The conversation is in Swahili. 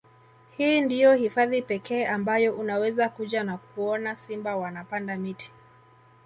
Hii ndiyo hifadhi pekee ambayo unaweza kuja na kuona simba wanapanda miti